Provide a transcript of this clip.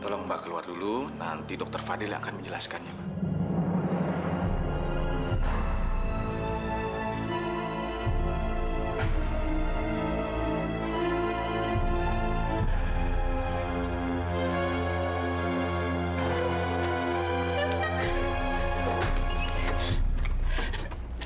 tolong mbak keluar dulu nanti dokter fadil yang akan menjelaskannya mbak